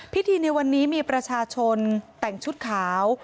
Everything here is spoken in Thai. ในวันนี้มีประชาชนแต่งชุดขาว